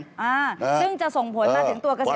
ซึ่งจะส่งผลมาถึงตัวเกษตรฐาน